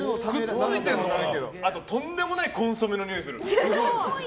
あと、とんでもないコンソメの匂いする。